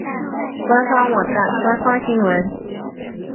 官方网站官方新闻